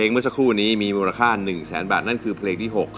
เมื่อสักครู่นี้มีมูลค่า๑แสนบาทนั่นคือเพลงที่๖